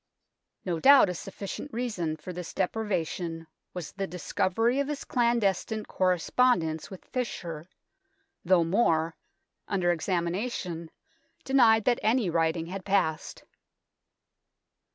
No doubt a sufficient reason for this deprivation was the discovery of his clandestine correspondence with Fisher, though More, under examination, denied that any writing had passed.